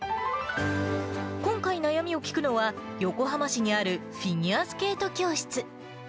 今回、悩みを聞くのは、横浜市にあるフィギュアスケート教室。